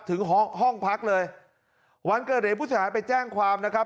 ถึงห้องห้องพักเลยวันเกิดเหตุผู้เสียหายไปแจ้งความนะครับ